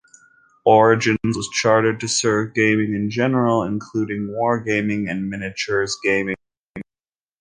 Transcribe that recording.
Origins was chartered to serve gaming in general, including wargaming and miniatures gaming.